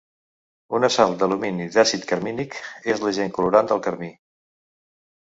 Una sal d'alumini d'àcid carmínic és l'agent colorant del carmí.